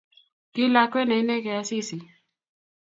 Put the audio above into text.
Ki lakwet ne inegei Asisi